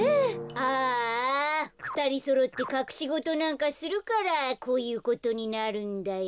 ああふたりそろってかくしごとなんかするからこういうことになるんだよ。